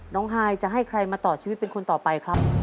ฮายจะให้ใครมาต่อชีวิตเป็นคนต่อไปครับ